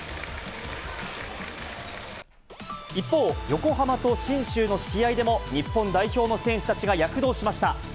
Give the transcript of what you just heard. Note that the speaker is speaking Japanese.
一方、横浜と信州の試合でも、日本代表の選手たちが躍動しました。